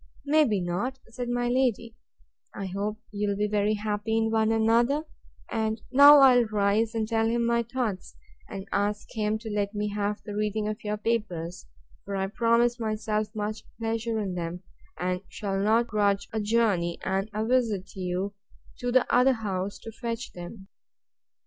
May be not, said my lady; I hope you'll be very happy in one another; and I'll now rise, and tell him my thoughts, and ask him to let me have the reading of your papers; for I promise myself much pleasure in them; and shall not grudge a journey and a visit to you, to the other house, to fetch them.